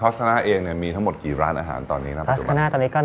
ครับตั้งแต่หลัง๑๑โมงมันต้นไปเริ่มบริการอาหารกลางวันจนถึงลึกเลย